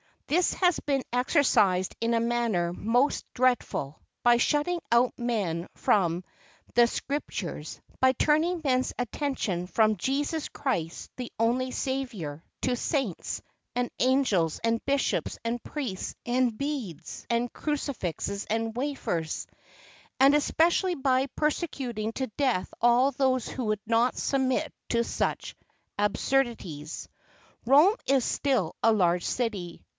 This has been exercised in a manner most dreadful; by shutting out men from the Scrip¬ tures, by turning men's attention from Jesus Christ the only Saviour, to saints, and angels, and bishops, and priests, and beads, and cruci¬ fixes, and wafers : and especially by persecuting to death all who would not submit to such ab¬ surdities. Rome is still a large city.